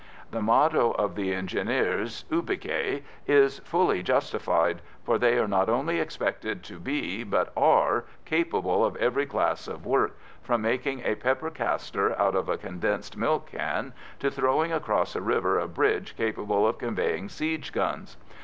The motto of the Engineers, "Ubique," is fully justified, for they are not only expected to be, but are, capable of every class of work, from making a pepper caster out of a condensed milk tin to throwing across a river a bridge capable of conveying siege guns.